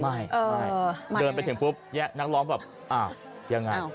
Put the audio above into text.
ไม่เดินไปถึงปุ๊บเนี่ยนักร้องแบบอ้าวยังไง